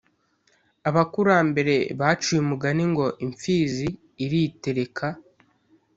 Abakurambere baciye umugani ngo « imfizi iritereka »